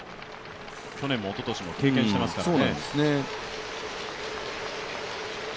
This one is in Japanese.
去年もおととしも経験していますからね。